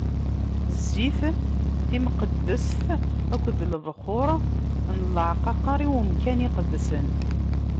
Zzit timqeddest akked lebxuṛ n leɛqaqer i umkan iqedsen.